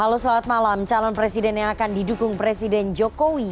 halo selamat malam calon presiden yang akan didukung presiden jokowi